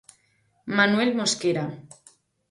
Manuel Mosquera.